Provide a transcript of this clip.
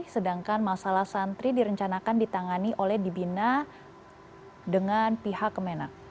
sedangkan masalah santri direncanakan ditangani oleh dibina dengan pihak kemenang